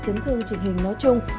chấn thương chỉnh hình nói chung